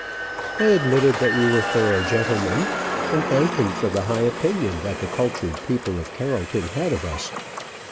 I admitted that we were thorough gentlemen, and thanked him for the high opinion that the cultured people of Carrollton had of us.